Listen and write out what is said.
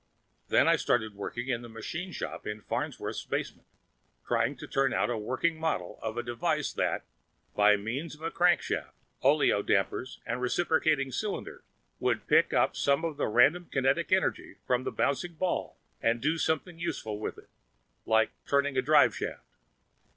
Then I started working in the machine shop in Farnsworth's basement, trying to turn out a working model of a device that, by means of a crankshaft, oleo dampers and a reciprocating cylinder, would pick up some of that random kinetic energy from the bouncing ball and do something useful with it, like turning a drive shaft.